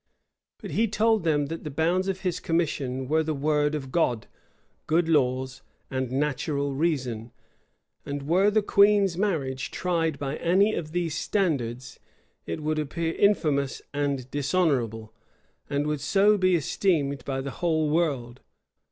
But he told them, that the bounds of his commission were the word of God, good laws, and natural reason; and were the Queen's marriage tried by any of these standards, it would appear infamous and dishonorable, and would so be esteemed by the whole world.